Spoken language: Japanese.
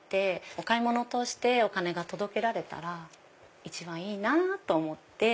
お買い物を通してお金が届けられたら一番いいなと思って。